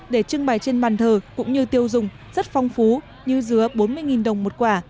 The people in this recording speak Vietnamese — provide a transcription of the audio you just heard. để trưng bày trên bàn thờ cũng như tiêu dùng rất phong phú như dứa bốn mươi đồng một quả